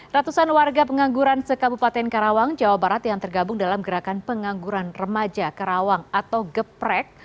ratusan warga pengangguran sekabupaten karawang jawa barat yang tergabung dalam gerakan pengangguran remaja karawang atau geprek